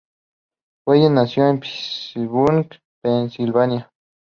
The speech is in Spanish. Cullen nació en Pittsburgh, Pennsylvania.